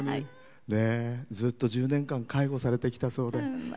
ずっと１０年間介護されてきたそうで。